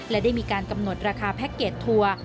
และได้มีการกำหนดราคาแพ็คเกจทัวร์